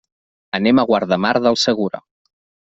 Anem a Guardamar del Segura.